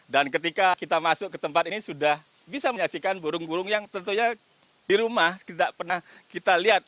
dan ketika kita masuk ke tempat ini sudah bisa menyaksikan burung burung yang tentunya di rumah tidak pernah kita lihat